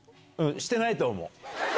してないと思う。